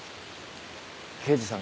刑事さん